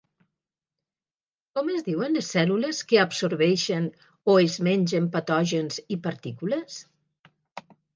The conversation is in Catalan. Com es diuen les cèl·lules que absorbeixen o es mengen patògens i partícules?